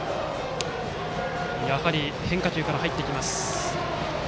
やはり変化球から入ってきます。